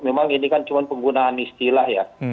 memang ini kan cuma penggunaan istilah ya